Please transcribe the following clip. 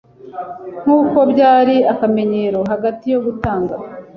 Nk' uko byari akamenyero, hagati yo gutanga